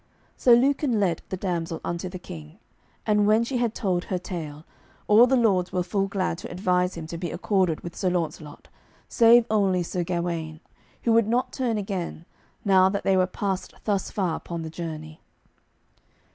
So Lucan led the damsel unto the King, and when she had told her tale, all the lords were full glad to advise him to be accorded with Sir Launcelot, save only Sir Gawaine, who would not turn again, now that they were past thus far upon the journey.